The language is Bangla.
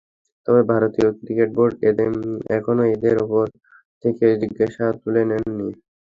তবে ভারতীয় ক্রিকেট বোর্ড এখনো এঁদের ওপর থেকে নিষেধাজ্ঞা তুলে নেয়নি।